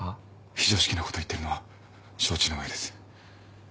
非常識なこと言ってるのは承知の上です。